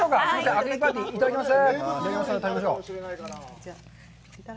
あけびパーティーいただきます。